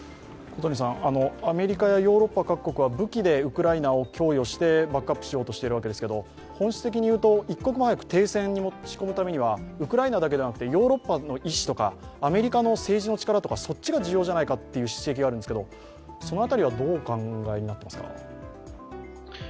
アメリカやヨーロッパ各国は武器をウクライナを供与してバックアップしようとしているわけですが、本質的には一刻も早く停戦に持ち込むにはウクライナだけではなくてヨーロッパの意思とかアメリカの政治の力とか、そっちが重要じゃないかという指摘があるんですけどそのあたりは、どうお考えになっていますか？